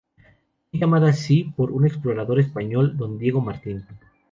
Fue llamada así por un explorador español Don Diego Martín.